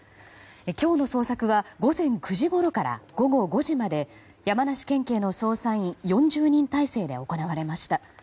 今日の捜索は午前９時ごろから午後５時まで山梨県警の捜査員４０人態勢で行われました。